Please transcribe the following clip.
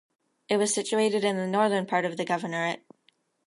It was situated in the northern part of the governorate.